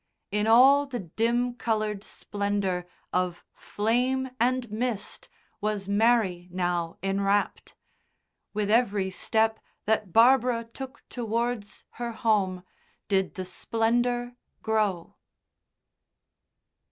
In all the dim coloured splendour of flame and mist was Mary now enwrapped, with every step that Barbara took towards her home did the splendour grow.